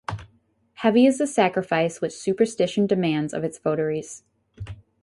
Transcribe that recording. Heavy is the sacrifice which superstition demands of its votaries.